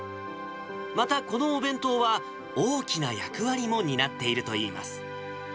またこのお弁当は、大きな役割も担っているといいます。